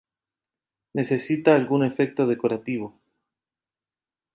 Necesita algún efecto decorativo.